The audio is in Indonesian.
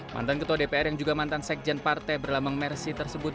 mantan ketua dpr yang juga mantan sekjen partai berlambang mersi tersebut